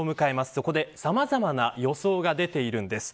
そこで、さまざまな予想が出ているんです。